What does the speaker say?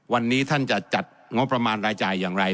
วันนี้ท่านจะจัดงบประมาณรายจ่ายอย่างไร